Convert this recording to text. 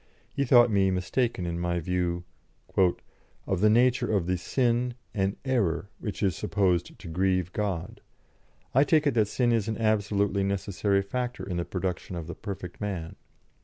He thought me mistaken in my view "Of the nature of the sin and error which is supposed to grieve God. I take it that sin is an absolutely necessary factor in the production of the perfect man.